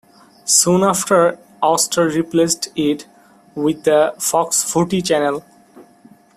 Soon after Austar replaced it with the Fox Footy Channel.